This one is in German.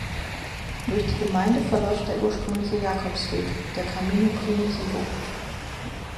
Durch die Gemeinde verläuft der ursprüngliche Jakobsweg, der Camino Primitivo.